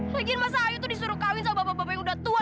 lagian masa ayu tuh disuruh kawin sama bapak bapak yang udah tua